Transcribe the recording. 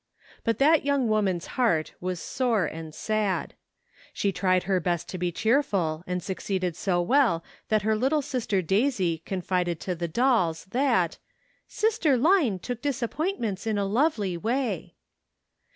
But that young woman's heart was sore and sad. She tried her best to be cheerful, and succeeded so well that her little sister Daisy confided to the dolls that, "Sister Line took disappointments in a lovely way."